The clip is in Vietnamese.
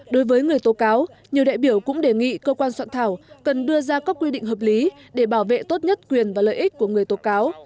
đối với người tố cáo nhiều đại biểu cũng đề nghị cơ quan soạn thảo cần đưa ra các quy định hợp lý để bảo vệ tốt nhất quyền và lợi ích của người tố cáo